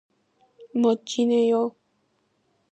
멋지네요.